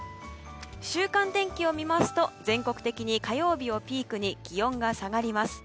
週間天気を見ますと全国的に火曜日をピークに気温が下がります。